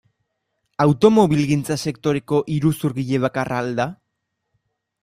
Automobilgintza sektoreko iruzurgile bakarra al da?